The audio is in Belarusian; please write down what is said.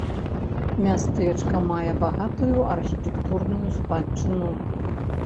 Мястэчка мае багатую архітэктурную спадчыну.